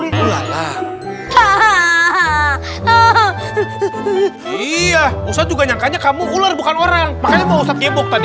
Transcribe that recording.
iya ustadz juga nyangkanya kamu ular bukan orang makanya mau kemuk tadi